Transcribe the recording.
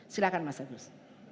silahkan mas agus